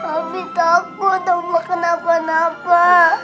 abi takut oma kenapa napa